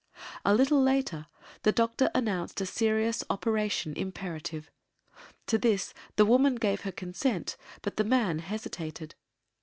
A little later the doctor announced a serious operation imperative. To this the woman gave her consent but the man hesitated.